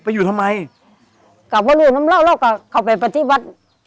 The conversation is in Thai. ไปอยู่ทำไมกลับว่ารู้น้ำเราเราก็เข้าไปปฏิบัติ